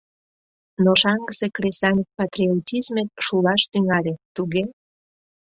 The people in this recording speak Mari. — Но шаҥгысе кресаньык патриотизмет шулаш тӱҥале, туге?